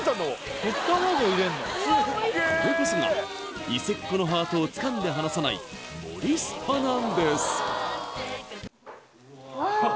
これこそが伊勢っ子のハートをつかんで離さないモリスパなんですうわ